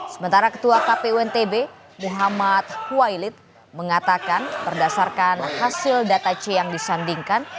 sementara ketua kpu ntb muhammad huwailid mengatakan berdasarkan hasil data c yang disandingkan